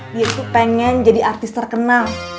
dia tuh pengen jadi artis terkenal